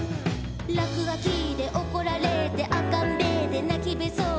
「らくがきでおこられてあっかんべーでなきべそで」